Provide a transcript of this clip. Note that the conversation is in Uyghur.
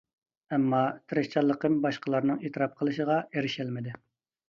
ئەمما، تىرىشچانلىقىم باشقىلارنىڭ ئېتىراپ قىلىشىغا ئېرىشەلمىدى.